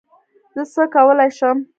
زه څه کولی شم؟